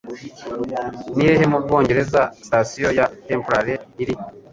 Nihehe mubwongereza sitasiyo ya Temple iri?